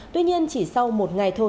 tuy nhiên chỉ sau một ngày thôi